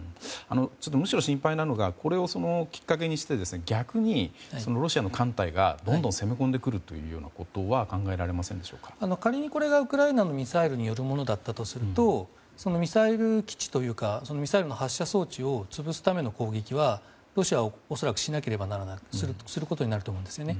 むしろ心配なのがこれをきっかけにして逆にロシア艦隊がどんどん攻め込んでくることは仮にこれがウクライナのミサイルによるものだったとするとミサイル基地というかミサイルの発射装置を潰すための攻撃はロシアは恐らくすることになっているんです。